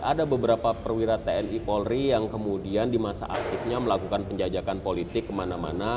ada beberapa perwira tni polri yang kemudian di masa aktifnya melakukan penjajakan politik kemana mana